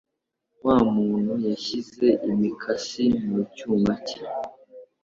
Wa muntu yashyize imikasi mu cyuma cye.